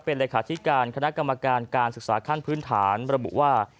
เป็นเลขาธิการคณะกรรมการการศึกษาขั้นพื้นฐานระบุว่า